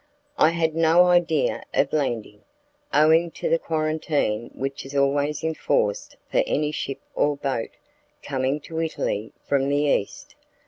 I had no idea of landing, owing to the quarantine which is always enforced for any ship or boat coming to Italy from the east.